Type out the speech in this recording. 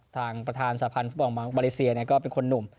ทางประธานสาพันธ์ฟุตบอลมาเลเซียก็เป็นคนหนุ่ม